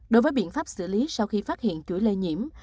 đối với biện pháp xử lý sau khi phát hiện chuỗi lây nhiễm